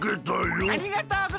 ありがとうございます！